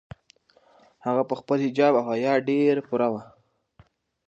هغه په خپل حجاب او حیا کې ډېره پوره وه.